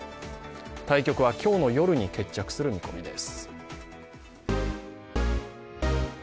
対局は今日の夜に決着する見込みです。